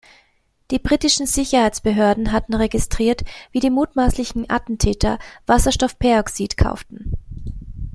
Die britischen Sicherheitsbehörden hatten registriert, wie die mutmaßlichen Attentäter Wasserstoffperoxid kauften.